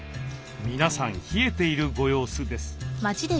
皆さん冷えているご様子です。